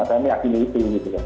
dan yakin itu